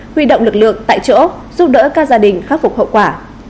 huy động lực lượng tại chỗ giúp đỡ các gia đình khắc phục hậu quả